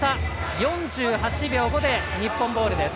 ４８秒５で日本ボールです。